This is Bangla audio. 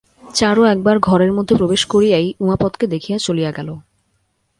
চারু একবার ঘরের মধ্যে প্রবেশ করিয়াই উমাপদকে দেখিয়া চলিয়া গেল।